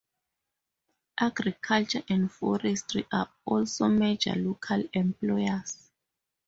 Agriculture and forestry are also major local employers.